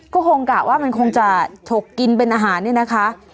ก็คงกะว่ามันคงจะฉกกินเป็นอาหารเนี่ยนะคะ